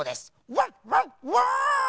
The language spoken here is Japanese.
ワンワンワーン！